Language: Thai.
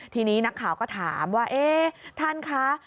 ทีนี้นักข่าวก็ถามว่าเอ๊ะท่านคะ